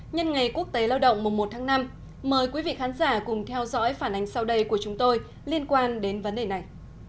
nhân ngày quốc tế lao động mùa một tháng năm mời quý vị khán giả cùng theo dõi phản ánh sau đây của chúng tôi liên quan đến vấn đề này